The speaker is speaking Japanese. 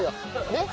ねっ。